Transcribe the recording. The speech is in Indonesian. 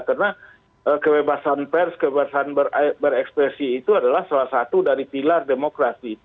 karena kebebasan pers kebebasan berekspresi itu adalah salah satu dari pilar demokrasi